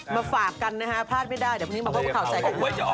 มาฝากกันนะฮะพลาดไม่ได้เดี๋ยวไม่มีข่าวแปลก